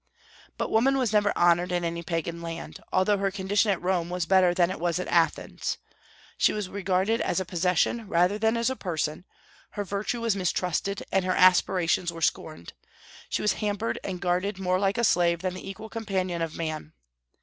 But woman never was honored in any Pagan land, although her condition at Rome was better than it was at Athens. She always was regarded as a possession rather than as a person; her virtue was mistrusted, and her aspirations were scorned; she was hampered and guarded more like a slave than the equal companion of man.